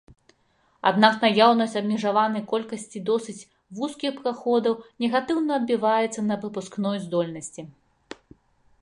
Аднак наяўнасць абмежаванай колькасці досыць вузкіх праходаў негатыўна адбіваецца на прапускной здольнасці.